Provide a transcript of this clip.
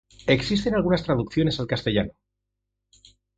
Existen algunas traducciones al castellano.